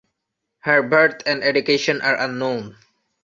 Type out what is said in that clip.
Her birth and education are unknown.